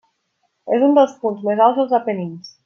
És un dels punts més alts dels Apenins.